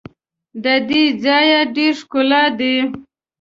د دې ځای ډېر ښکلا دي.